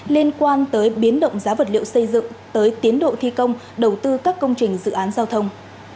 liên quan tới biến động giá vật liệu xây dựng tới tiến độ thi công đầu tư các công trình dự án giao thông